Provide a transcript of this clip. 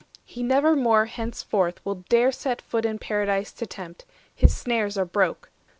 He never more henceforth will dare set foot 610 In paradise to tempt; his snares are broke.